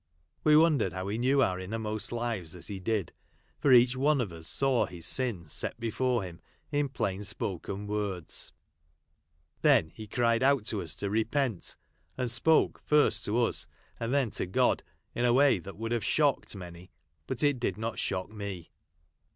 We wondered how he knew our innermost lives as he did, for each one of us saw his sin set before him in plain spoken words. Then he cried out to us to repent ; and spoke first to us, and then to God, in a way that would have shocked many — but it ditl not shock me.